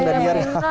ugas yang menang